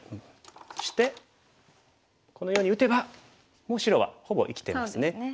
そしてこのように打てばもう白はほぼ生きてますね。